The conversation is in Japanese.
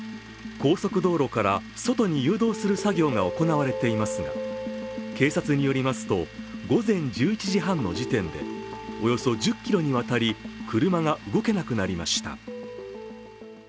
高速道路から外に誘導する作業が行われていますが、警察によりますと、午前１１時半の時点でおよそ１０ｋｍにわたり車が動けなくなりました。